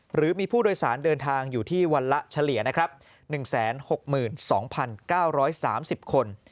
หรือมีผู้โดยสารเดินทางอยู่ที่วันละเฉลี่ยนะครับ๑๖๒๙๓๐คน